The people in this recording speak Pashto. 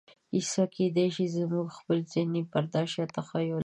کیسه کېدای شي زموږ خپل ذهني برداشت یا تخیل وي.